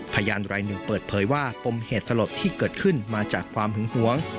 พยานรายหนึ่งเปิดเผยว่าปมเหตุสลดที่เกิดขึ้นมาจากความหึงหวง